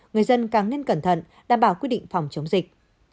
người dân càng nên cẩn thận đảm bảo quy định phòng chống dịch